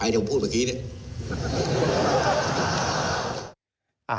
ไอ้ที่ผมพูดเมื่อกี้นี่